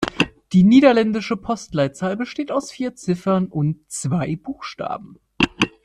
Die niederländische Postleitzahl besteht aus vier Ziffern und zwei Buchstaben.